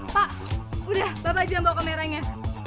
pak udah bapak aja bawa kameranya